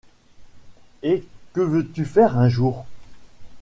Et que veux-tu faire un jour?